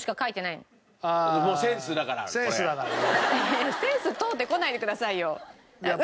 いやいやセンス問うてこないでくださいよ。